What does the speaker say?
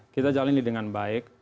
kita jalani dengan baik